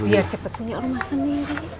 biar cepat punya rumah sendiri